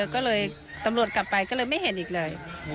ก็เลยกลับไปไม่เห็นอีกเลย